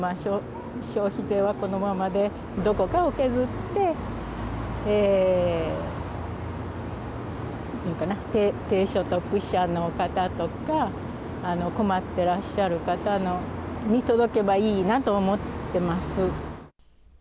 消費税は、このままでどこかを削って低所得者の方とか困ってらっしゃる方に届けばいいなと思ってます。